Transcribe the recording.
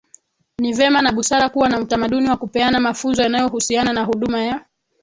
Ni vema na busara kuwa na utamaduni wa kupeana mafunzo yanayohusiana na huduma ya